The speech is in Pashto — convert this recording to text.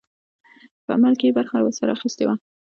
په عمل کې یې برخه ورسره اخیستې وه.